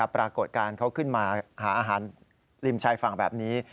ปรากฏการณ์เขาขึ้นมาหาอาหารริมชายฝั่งแบบนี้